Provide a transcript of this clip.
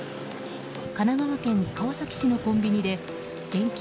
神奈川県川崎市のコンビニで現金